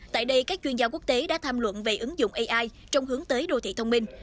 tại đây các chuyên gia quốc tế đã tham luận về ứng dụng ai trong hướng tới đô thị thông minh